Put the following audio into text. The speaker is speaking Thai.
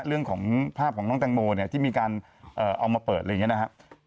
เรื่องของภาพของน้องแตงโมเนี่ยที่มีการเอามาเปิดอะไรอย่างนี้นะครับ